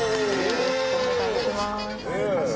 よろしくお願いします。